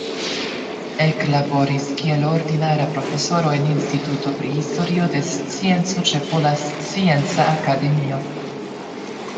Eklaboris kiel ordinara profesoro en Instituto pri Historio de Scienco ĉe Pola Scienca Akademio.